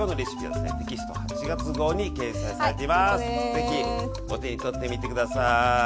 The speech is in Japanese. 是非お手に取って見て下さい！